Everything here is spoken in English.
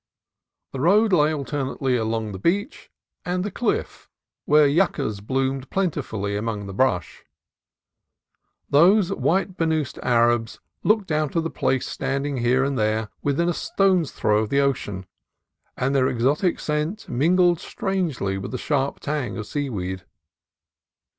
The road lay alternately along the beach and the cliff, where yuccas bloomed plentifully among the brush. These white burnoosed Arabs looked out of place standing here within stone's throw of the ocean, and their exotic scent mingled strangely with the sharp tang of seaweed.